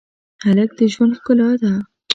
هلک د ژوند ښکلا ده.